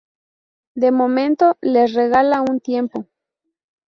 De momento le regala un tiempo.